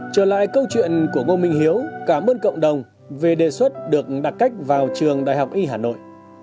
trở lại câu chuyện của ngô minh hiếu cảm ơn cộng đồng về đề xuất được đặt cách vào trường đại học y hà nội